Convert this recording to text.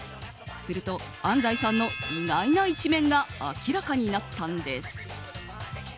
すると、安西さんの意外な一面が明らかになったんです。